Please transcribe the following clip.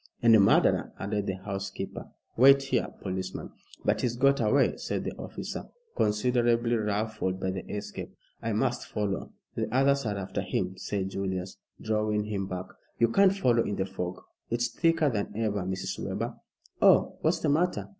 "And a murderer," added the housekeeper. "Wait here, policeman." "But he's got away," said the officer, considerably ruffled by the escape. "I must follow." "The others are after him," said Julius, drawing him back. "You can't follow in the fog. It's thicker than ever. Mrs. Webber." "Oh, what's the matter?"